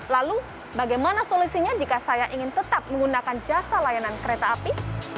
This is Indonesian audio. lalu bagaimana solusinya jika saya ingin tetap menggunakan jasa layanan kereta api